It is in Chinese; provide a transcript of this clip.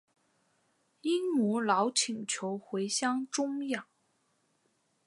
因母老请求回乡终养。